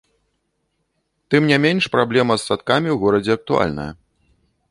Тым не менш праблема з садкамі ў горадзе актуальная.